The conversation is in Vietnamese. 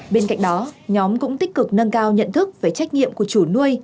bên cạnh đó nhóm cũng tích cực nâng cao nhận thức về trách nhiệm của chủ nuôi